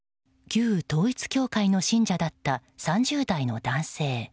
旧統一教会の信者だった３０代の男性。